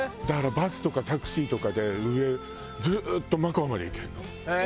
だからバスとかタクシーとかで上ずっとマカオまで行けるの。